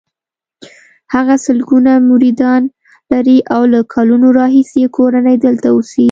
هغه سلګونه مریدان لري او له کلونو راهیسې یې کورنۍ دلته اوسي.